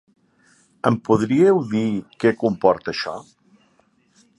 Em podríeu dir què comporta això?